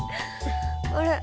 あれ？